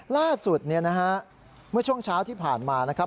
ล่าสุดเมื่อช่วงเช้าที่ผ่านมานะครับ